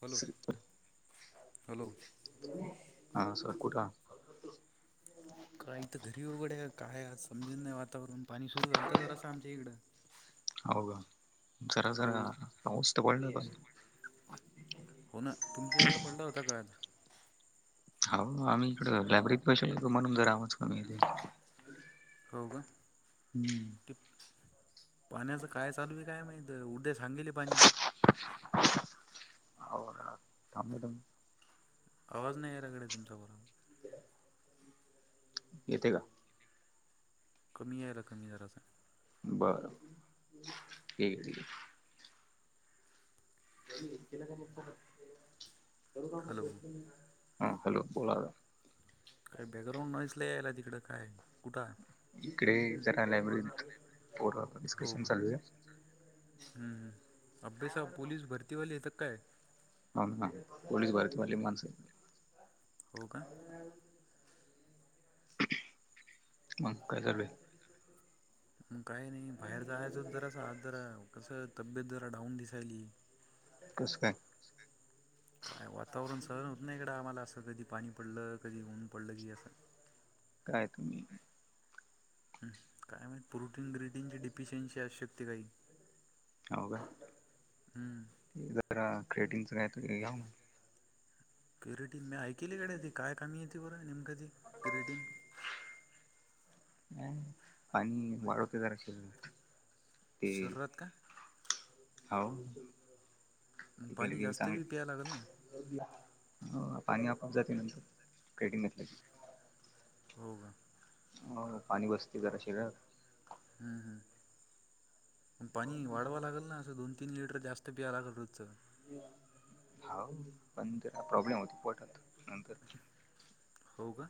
Hello हा hello! हां sir कुठ आहात? का इथं घरी हवं गाड्या काय आज समजीन नाही वातावरण पाणी सुरू झालत जरासं आमच्या इकडं. हाव का जरा हो जरा पाऊस पाऊस तर पडलेला का? हो ना तुमच्या इकडे पडला होता का? हाव आम्ही इकडे लायब्ररीत बैसेल म्हणून जरा आवाज कमी येतंय. हो का? पाण्याचं काय चालू आहे काय माहित उद्या सांगीले पाणी. हो का थांब तुम्ही. आवाज नाही याला गाड्या तुमचा बरोबर! येतय का? कमी यायला कमी जरासां. बर! हॅलो हा हॅलो बोला! काय बॅकग्राउंड नाईस यायला तिकड काय कुठं पोर आता हो का डिस्कशन चालू आहे. हम्म अभ्यासाला पोलीस भरती वाले येतात काय? हो ना पोलीस भरती वली माणस आहेत. हो का? मग काय चालू आहे? मग काय नाही. बाहेर जाहायचं होत जरास आज जरा कसं तब्येत जरा डाऊन दिसायली. [inaudible] कस काय? [inaudible] काय वातावरण सहन होत नाही इकडं आम्हाला असं कधी पाणी पडलं कधी ऊन पडलं की असं काय तुम्ही काय मा प्रोटीन ग्रिटीनची डिफिशियन्सची आवश्यकता काही हो का हम्म जरा क्रेटिनचं काय तर याव मग क्युरेटीन मी ऐकली कडे ती काय कामी येते बरं नेमकं ती कुरेटीन अ पाणी वाढवते जराश सुरत का हो मग तले पाणी कि जास्त बी प्याय लागेल ना चांगली पाणी आपआप जाते नंतर केडिंग घेतल्या हो का पाणी बसते जरा शिर ह् ह प पाणी वाढवा लागेल ना असं दोन तीन लिटर जास्त तरीला कटूतचं हो पण त्या प्रॉब्लेम होती पोटात नंतर हो का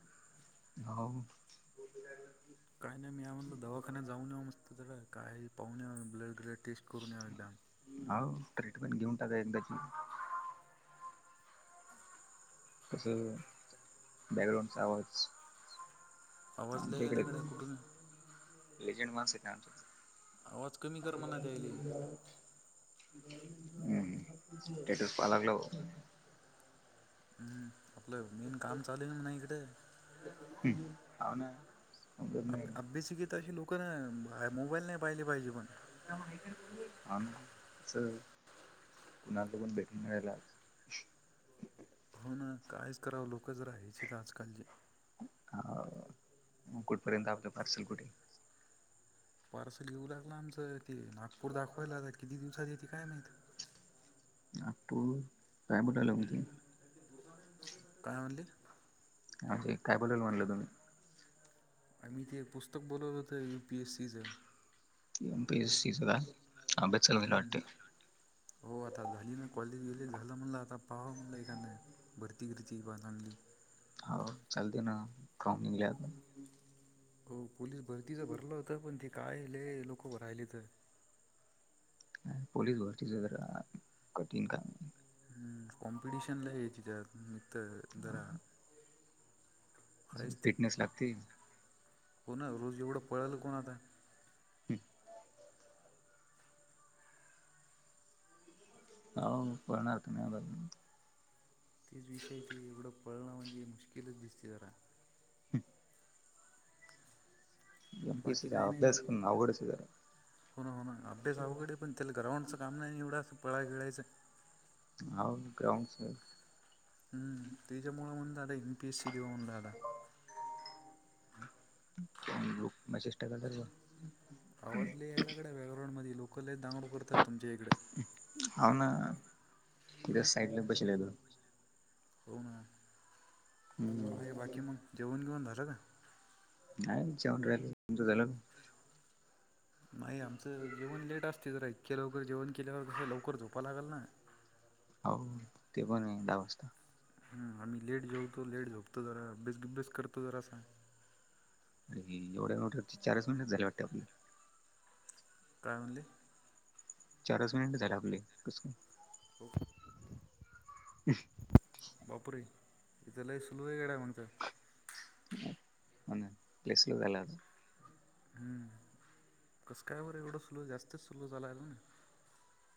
हो काय नाही मी या म्हणधलं दवाखान्या जाऊन नऊ मस्त तररा काही पाहून या ब्लड र टेस्ट करून येऊ एकदम हो ट्रीटमेंट घेऊन टाका एकदाची तस बॅकग्राउंडचा आवाज आवाज लय आमच्या यायला गड्या कुठून इकडेलेजन मास आहे आमच्याकडे आवाज कमी कर म्हणा त्यायले [unintelligible] [inaudible] हम् तेटच पा लागलं हम्म आपलं मेन काम चालूल म नाही इकडे ह अ अभिसिकीेत अशी लोक ना मोबाईल नाही पाहिले पाहिजे पण कस कुणाला पून भेटून घयला हो ना काहीच करावं लोकच राहायची तर आजकालची हा कुठपर्यंत आपलं पार्सल कुठे पार्स घ येऊ लागला आमचं ते नागपूर दाखवायला आता किती दिवसात येते काय माहिित अू काय बोटाल मी काय म्हणली अ काय बोलेल म्हटलं तुम्ही आम्ही तेे एक पुस्तक बोलवत होत यूपीएससीचं एम पी एस सीस का अ बेसल ग हम्म. वाटे हो आता झाली ना कॉलेजलेज झालं म्हणलं आता पाहा म्हणलं एखने भरती करती पाज आणली हो चलते ना का निघता हो पोललीस भरतीच भरला होत पण ते कायले लोक भ राहिले तर पोलीस भरतीच जरा कठीण काम हम् कॉम्पिटिशनला याचीिच्यात मित्त जरा काम काहीच ते फिटनेस लागते हो ना रोज एवढं पळल कोण आता हो पणार तुम तीच विषय ती एवढं पळणं म्हणजे मुश्कलच दिसते जरा. हम्म बाकी [inaudible] काही नाही तू अभ्यासक घडचर हो ना हो ना अभ्यासाकडे पण त्याला ग्राउंडचं काम नाही एवढं पळा खेळायचं हा ग्राउंड ह् तच्या मूळम म्हून दादा एन पी एस सी दिववाून दाडदा लक म चेष्टा करत आवाज लिहायलाकडे बॅग्राउंड लोक ल दांगडू करतात तुमच्या इकडे. हाव ना. तिथ साईडला बसलेलो. हो ना. हम्म काय बाकी मग. जेवण बीवन झालं का? नाही जेवण राहिल. तुमच झालं? नाही आमचं जेवण लेट असते. जरू इतके लवकर जेवण केल्यावर तसं लवकर झोपां लागल ना. हाव. ते पणे दहा वाजता. ह आम्ही लेट जेवतो. लेट झोपतो. जरा अभ्यास बिभ्यास करतो जरासा. अ एवढ्या न चारच मिनटच झालेत वाटत आपली. काय म्हणले? चारच मिनिटच झाले आपले. कस काय. हो. ह [unintelligible] बापरे. इथ लई स्लोये गड्या मग तर. पसल झाला [unintelligible] हम्म. कसं कायबर एवढं स्लो. जास्तच स्लो झालाय ना.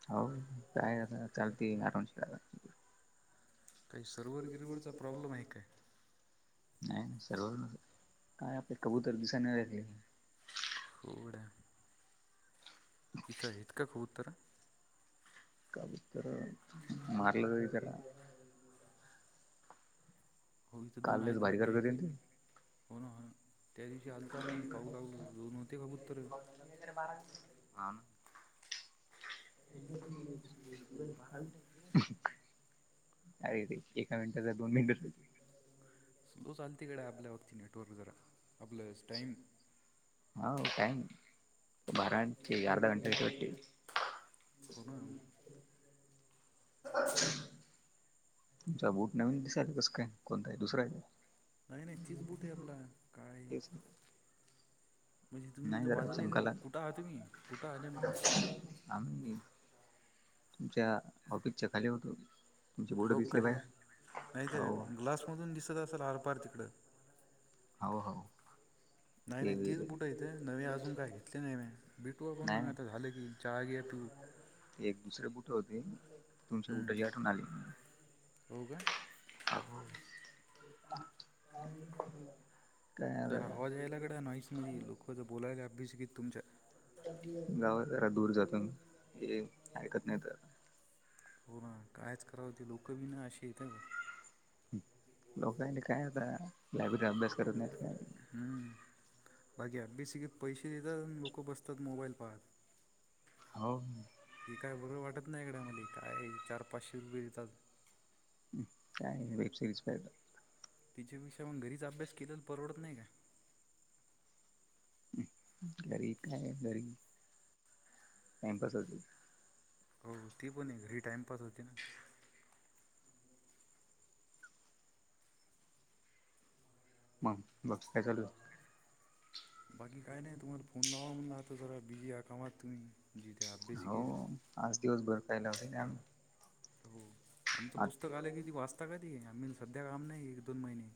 होव. काय आता चालते. आठवाजताला. काही सर्वर बिर्वरचा प्रॉब्लेम आहे काय? नाही नाही सर्वर. काय आपले कबूतर दिसाना झाले. अवघडे. इथं हेत का? कबूतर. का तरर मारलं जरी त्याला. हो इथं दोन काल आहे लयच भारी वाट्टी करत आहे की होते ना ते नाही. हो ना. त्या दिवशी आलतो आम्ही. पाहू लागलो. दोन व्हते कबूतर. आमम [unintelligible] ए [unintelligible] अरे ते एका मिनिटचा दोन मिनिटासाठी. स्लो चालते गड्या आपल्यावरती नेटवर्क जरा. आपलं टाईमस. हा टाईम बारा अर्धा घंटा वाटते. होना. तुमचा बूट नवीन दिसायला कसं काय. कोणताय दुसरा आहे का? नाही नाही तीच बूटे आपला. काळे. तेच म्हणजे तुम्ही इथ नाही जरा बाजूले. चमकाला कुठं आहा तुम्ही. कुठे आहा नेमक. आम्ही तुमच्या ऑफिसच्या खाली होतो. तुमचे बोट हो काय. दिसले बाहेर नाही हो ते. ग्लासमधून दिसत असेल. आरपार तिकडं. हाव हाव. नाही नाही तेच बूटयत. नवी अजून काय घेतले नाही म्या. भेटू आपण. नाही मग नाही आता झालं की. चहा घ्या पिऊ ते एक दुसरे बुट होते. तुमच्या हम्म बुटाची आठवण आली. हो का? हो [unintelligible] जरा आवाज यायला गड्या नॉईसमध्ये. लोकं बोलायला अभिजीकित [inaudible] तुमच्या. गावा जरा दूर जातून. हे ऐकत नाही त. हो ना. कायच करावं. ते लोकं बी ना अशी येत. लोक काय आता. लायब्ररीत अभ्यास करत नाहीत. काय नाही. हम्म. बाकी अभ्यासिकेत पैसे देतात. लोक बसतात मोबाईल पाहत. हाव. ही काय बरोबर वाटत नाही गड्या मले. काय चार पाचशे रुपये देतात. ह्. काय वेब सिरीज पायात. तिच्याविषयहुण घरीच अभ्यास केलेला परवडत नाही का? घरी काय घरी. टाइमपासचे. हो ती पण आहे, घरी टाइमपास होती ना. मग, बाकी काय चालू? बाकी काय नाही, तुम्हाला फोन लावा म्हणलात, जरा बिझी हा कामात तुम्ही. जिथे हो अभ्यासिकेत. आज दिवस भर काय लावते [unintelligible] हो. आमचं पुस्तक आलं की, ती वाचता का ते आम्ही सध्या काम नाही एक दोन महिने.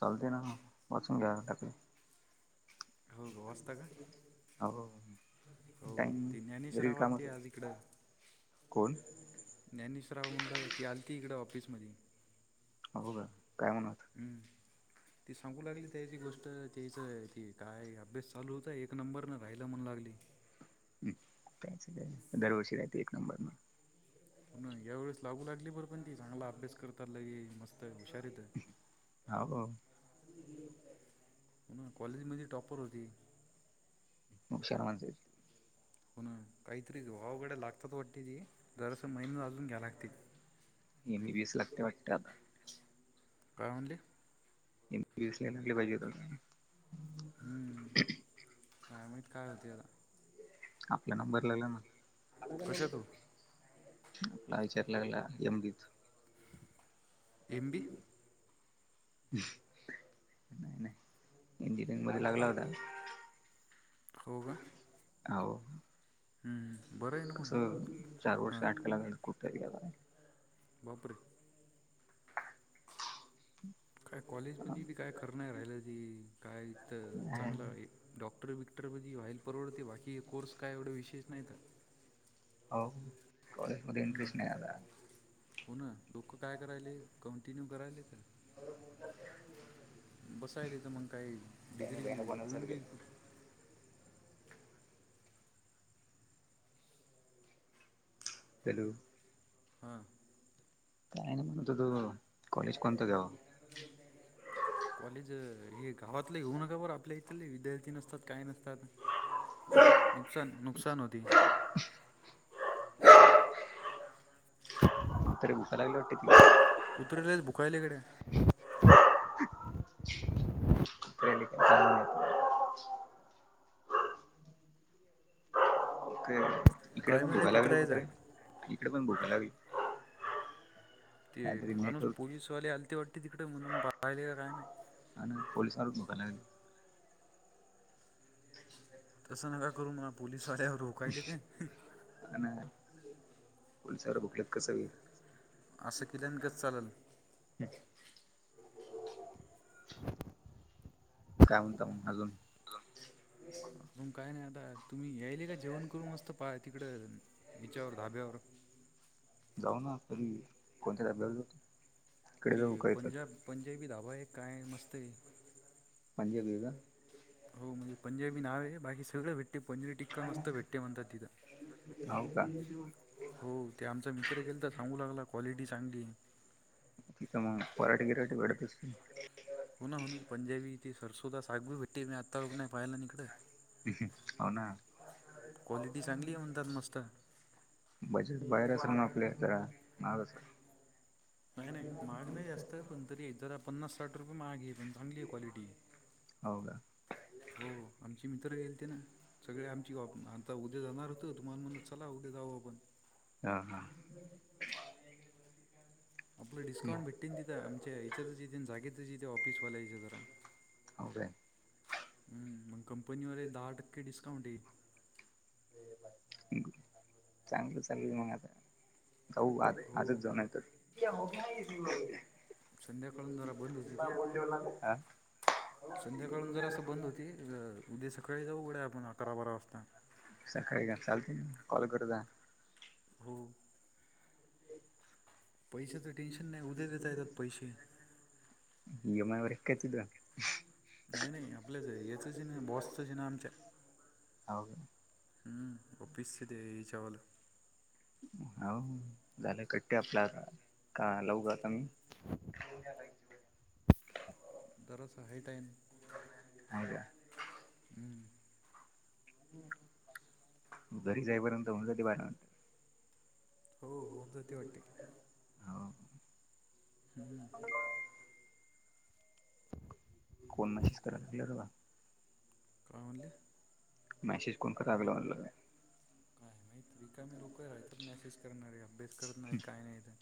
चलते ना बसून ग घंटाके [unintelligible] हो ग वास्त का [unintelligible] हो [unintelligible] हो. टाईम ती ज्ञानेश घरी रावाल आलती कामच आहे. आज इकडं. कोण ज्ञानेशराव म्हणलं ती आलती इकडे ऑफिसमध्ये. होघ काय म्हण होता [unintelligible] ह. ती सांगू लागली त्याची गोष्ट त्या हच ती- काय अभ्यास चालू होताय, एक नंबर न राहिला म्हण लागली. हम्. दरवर्षी येते एक नंबर न. पण या वेळेस लागू लागली बर पण ती चांगला अभ्यास करताल मस्त हुशार येत- हा [unintelligible] ह. कॉलेज मध्ये टॉपर होती. हुशार माणसं आहेत. पुण [unintelligible] काहीतरी वावाकडे लागतात वाटते ती जरसं महिन अजून घ्या लागते [unintelligible] ए बस [unintelligible] कत वाट [unintelligible] काय म्हटली? स ला पाहिजे [unintelligible] हम्म काय माहित काय होतय आता. ! आपला नंबर लाला ना कशात हो [unintelligible] आपला विचारलागलाम द [unintelligible] एमबी- नाही, नाही, इंजिनिअरिंग मध्ये लागला होता. हो का? हो हम्म बरं आहे ना मग कस चार वर्ष हां आठ कला खूठ [unintelligible] री [unintelligible] बापरे. काय कॉलेज म्हणी काय खर नाही राहिलं जी, कायथ नाही चांगलं डॉक्- डॉक्टर बिक्टर म्हणजे हाईल परवडते, बाकी कोर्स काय एवढं विशेष नाही तर. हो कॉलेज मध्ये इंटरेस्ट हम्म नाही आता. हो ना, लोक काय करायले, कंटिन्यू करायलेत. बसायल तर मग काही त्याने डिग्री बहिण पण असेल होऊन गेलं बीुठ [unintelligible] तेल [unintelligible] हा. काय नाही म्हणत, तो कॉलेज कोणता घ्याव? कॉलेज हे गावातलं घेऊ नका बरं, आपल्या इथ विद्यार्थी नस- तात, काही नसतात नुकसान, नुकसान होत- ह [unintelligible] [inaudible] उत मुखलागल वाट [unintelligible] उतरलेच भुकायलेकडे [unintelligible] [unintelligible] [inaudible] [unintelligible] [inaudible] इकडे काय पण मिळेल धुकाायला लागली कुत्र्याचा कुठते इकडे पण भुकााय लागली. [unintelligible] ते काहीतरी माणूस नेटवर्क पोलिसवाले आलते वाटते, तिकडे म्हणून पाहाले का काय माहित. आणि पोलिसांच [unintelligible] तसं नका करू म्हणावं पोलिस वाड्यावर रोकायलेत. नाय. नाय. पोलीसाव [unintelligible] कसं व. असं केल्यान गच चालल. [unintelligible] काय म्हणत मग अजून? अजून काय नाही आता. तुम्ही यायल का जेवण करू मस्त पाहा तिकड. हिच्यावर धाब्यावर. जाऊ ना तरी कोणत्या धाब्यावर. ते पंजाब, पंजाबी धाबा आहे. काय मस्तयं. पंजाबी हेका? हो. म्हणजे पंजाबी नावये बाकी सगळ भेटते पानिर टिक्का मस्त भेटते म्हणतात तिथं. हाव का. हो. ते आमचा मित्र गेलता. सांगू लागला क्वालिटी चांगलीयं. तिथं मग पराठी गिराठी वाढत असते. हो ना. होन. पंजाबीची सरसोदा सागब भटी मी आता पाहायला निकडं. हो ना क्वालिटी चांगली हाय म्हणतात मस्त. बजेट बाहेर असेल न आपले जरा [unintelligible] नाही. नाही. महाग नाही जास्त पण तरी जरा पन्नास, साठ रुपये महागए. पण चांगली ए क्वालिटी हो का. हो. आमचे मित्र गेल ते ना. सगळे आमची बा आता उद्या जाणार होतो. तुम्हाला म्हणलो चला उद्या जाऊ आपण. [unintelligible] आपलं डिस्काउंट मग भेटतीन तिथं आमच्या याच्यातच यथेनं जागेतच येते ऑफिसवाल्याच्या जरा. हो काय हम्म. मग कंपनीवाले दहा टक्के डिस्काउंट देईल. चांगलं चालल मग आता. [unintelligible] हो आजचं जा नाहितर. संध्याकाळून जरा बंद होती ती संध्याकाळून जरा असं बंद होती [unintelligible] [inaudible] उद्या सकाळी जाऊ उघडायं आपण अकरा, बारा वाजता. सकाळी का चालतेयं. [unintelligible] हो. पैशाच टेन्शन नाही. उद्या देता येतात पैसे. [unintelligible] करतित का? नाही. नाही. आपलंच हाय येचचं येना, बॉसचच हेना आमच्या. हो का. हं. ऑफिस ते हेच्यावाल हावु. झालं कट्टे आपल्या आता. का लाऊ आता मी? दरोज हाय टाइम. हो का. हम्म. घरी जाईपर्यंत होऊन जाते [unintelligible] हो. होऊन जाते वाटतं. हो हम्म, [unintelligible] [inaudible] कोण मॅसेज करायं लागले र बा? कोण म्हणलं? मॅसेज कोण [unintelligible] म्हटलं काय. काय माहित. रिकामी लोक राहतेतं मेसेज करणारे. अभ्यास करत नाहीत काय नाहीत.